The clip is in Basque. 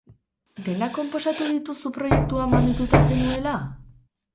Denak konposatu dituzu proiektua mamituta zenuela?